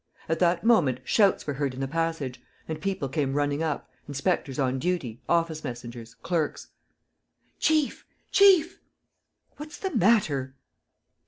At that moment shouts were heard in the passage and people came running up, inspectors on duty, office messengers, clerks: "Chief! Chief!" "What's the matter?"